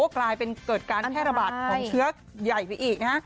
กลายเป็นเกิดการแพร่ระบาดของเชื้อใหญ่ไปอีกนะฮะ